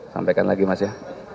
sampaikan lagi mas ya